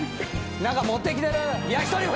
何か持ってきてる。